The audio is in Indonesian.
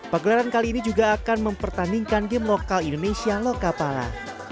pegelaran kali ini juga akan mempertandingkan game lokal indonesia lokapala